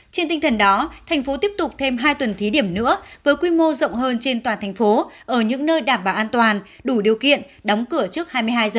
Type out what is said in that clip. trên tinh thần đó thành phố tiếp tục thêm hai tuần thí điểm nữa với quy mô rộng hơn trên toàn thành phố ở những nơi đảm bảo an toàn đủ điều kiện đóng cửa trước hai mươi hai h